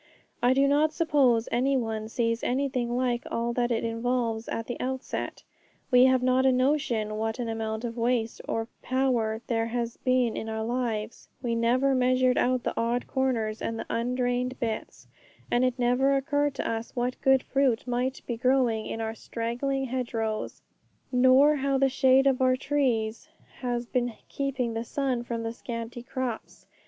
I do not suppose any one sees anything like all that it involves at the outset. We have not a notion what an amount of waste of power there has been in our lives; we never measured out the odd corners and the undrained bits, and it never occurred to us what good fruit might be grown in our straggling hedgerows, nor how the shade of our trees has been keeping the sun from the scanty crops.